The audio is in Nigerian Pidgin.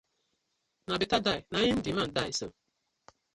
Na betta die na im di man die so.